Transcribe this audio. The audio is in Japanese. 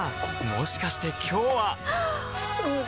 もしかして今日ははっ！